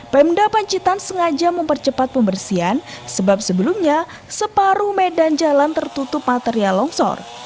pemda pacitan sengaja mempercepat pembersihan sebab sebelumnya separuh medan jalan tertutup material longsor